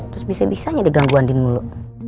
terus bisa bisanya ada ganggu andien mulu